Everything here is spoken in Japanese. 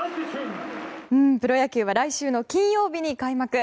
プロ野球は来週の金曜日に開幕。